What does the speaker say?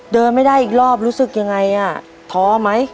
เดินไม่ได้อีกรอบรู้สึกยังไงอ่ะท้อไหม